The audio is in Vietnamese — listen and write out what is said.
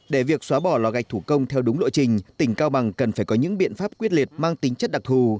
để việc xóa bỏ lò gạch thủ công theo đúng lộ trình tỉnh cao bằng cần phải có những biện pháp quyết liệt mang tính chất đặc thù